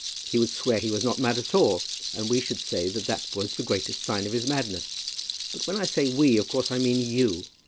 He would swear he was not mad at all, and we should say that that was the greatest sign of his madness. But when I say we, of course I mean you.